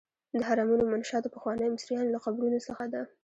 د هرمونو منشا د پخوانیو مصریانو له قبرونو څخه ده.